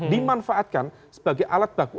dimanfaatkan sebagai alat baku